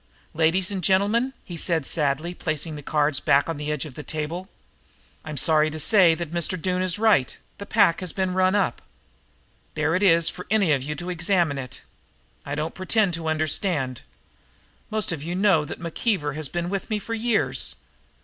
"Ladies and gentlemen," he said sadly, placing the cards back on the edge of the table, "I am sorry to say that Mr. Doone is right. The pack has been run up. There it is for any of you to examine it. I don't pretend to understand. Most of you know that McKeever has been with me for years.